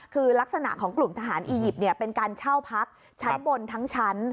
คือลักษณะของกลุ่มทหารอียิปต์เป็นการเช่าพักชั้นบนทั้งชั้น